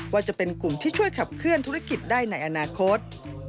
ว่าจะเป็นกลุ่มที่ช่วยขับเคลื่อนธุรกิจได้ในอนาคต